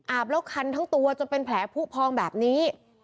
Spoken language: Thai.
คันทั้งตัวจนเป็นแผลผู้พองแบบนี้